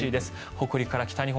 北陸から北日本